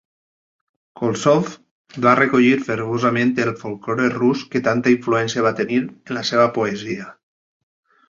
Koltsov va recollir fervorosament el folklore rus que tanta influència va tenir en la seva poesia.